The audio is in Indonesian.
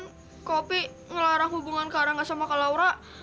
kok opi ngelarang hubungan kak rangga sama kak laura